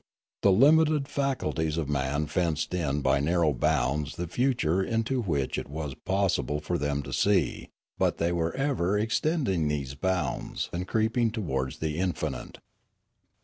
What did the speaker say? The limited faculties of man fenced in by narrow bounds the future into which it was possible for them to see; but they were ever extending these bounds and creeping towards the infinite.